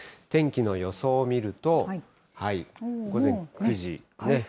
天気の予想を見ると、午前９時。